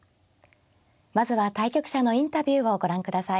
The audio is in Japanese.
まずは対局者のインタビューをご覧ください。